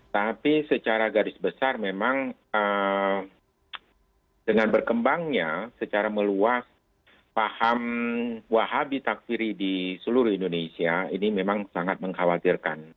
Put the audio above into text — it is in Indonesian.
tapi secara garis besar memang dengan berkembangnya secara meluas paham wahabi takfiri di seluruh indonesia ini memang sangat mengkhawatirkan